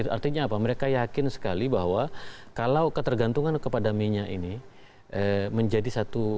artinya apa mereka yakin sekali bahwa kalau ketergantungan kepada minyak ini menjadi satu